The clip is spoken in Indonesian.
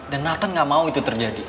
dan nathan gak mau itu terjadi